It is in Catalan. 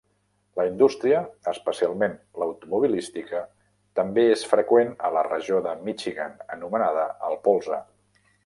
La indústria, especialment l'automobilística, també és freqüent a la regió de Michigan anomenada "el Polze".